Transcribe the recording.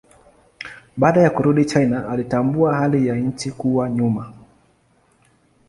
Baada ya kurudi China alitambua hali ya nchi kuwa nyuma.